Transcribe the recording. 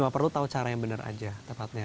perlu tahu cara yang benar aja tepatnya